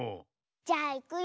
じゃあいくよ。